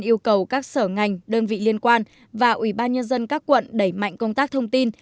yêu cầu các sở ngành đơn vị liên quan và ủy ban nhân dân các quận đẩy mạnh công tác thông tin